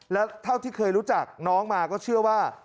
แล้วเท่าที่เคยรู้จักน้องมาก็เชื่อว่า